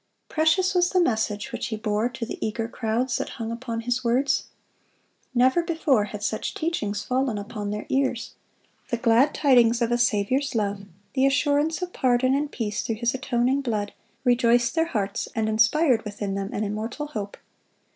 Precious was the message which he bore to the eager crowds that hung upon his words. Never before had such teachings fallen upon their ears. The glad tidings of a Saviour's love, the assurance of pardon and peace through His atoning blood, rejoiced their hearts, and inspired within them an immortal hope.